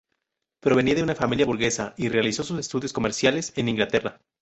Provenía de una familia burguesa y realizó sus estudios comerciales en Inglaterra.